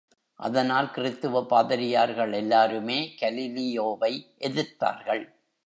அதனால் கிறித்துவப் பாதிரியார்கள் எல்லாருமே கலீலியோவை எதிர்த்தார்கள்.